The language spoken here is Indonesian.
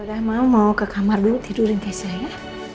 yaudah mama mau ke kamar dulu tidurin keisha ya